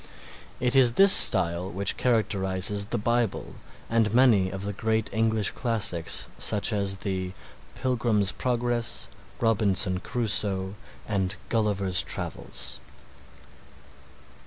It is this style which characterizes the Bible and many of the great English classics such as the "Pilgrim's Progress," "Robinson Crusoe," and "Gulliver's Travels."